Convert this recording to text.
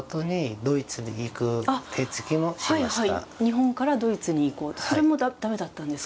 日本からドイツに、それもだめだったんですか。